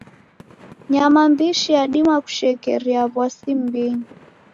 Nyama mbishi yadima kushekeria w'asi m'mbinyi.